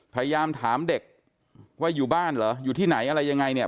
พยายามถามเด็กว่าอยู่บ้านเหรออยู่ที่ไหนอะไรยังไงเนี่ย